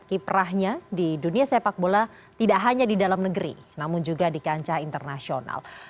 kiprahnya di dunia sepak bola tidak hanya di dalam negeri namun juga di kancah internasional